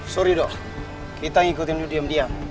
sorry dok kita ngikutin lo diam diam